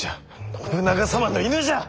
信長様の犬じゃ！